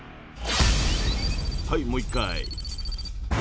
はいもう一回！